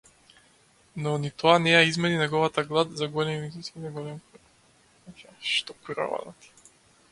Но ни тоа не ја измени неговата глад за големи цицки и голем кур.